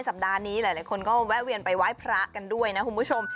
สัปดาห์นี้หลายคนก็แวะเวียนไปไหว้พระกันด้วยนะคุณผู้ชม